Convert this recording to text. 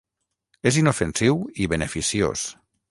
És inofensiu i beneficiós.